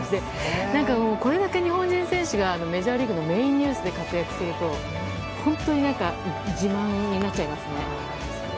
これだけ日本人選手がメジャーリーグのメインで活躍すると本当に自慢になっちゃいますね。